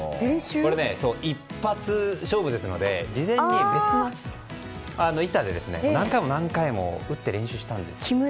これ、一発勝負ですので事前に別の板で何回も練習したんです。